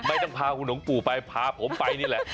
ไม่ต้องพาคุณหลวงปู่ไปพาผมไปนี่แหละ